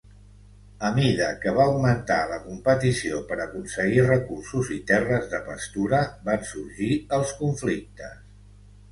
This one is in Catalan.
A mida que va augmentar la competició per aconseguir recursos i terres de pastura, van sorgir els conflictes.